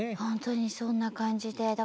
ほんとにそんな感じで。